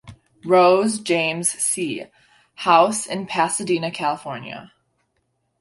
Rose, James C. House in Pasadena, California.